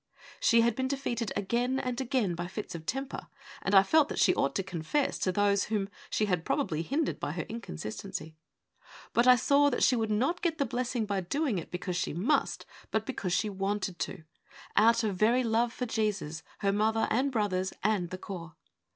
She had been defeated again and again by fits of temper, and I felt that she ought to confess to those whom she had probably hindered by her inconsistency. But I saw that she would not get the blessing by doing it because she must^ but because she wanted to, out of very love for Jesus, her mother, and brothers, and the Corps.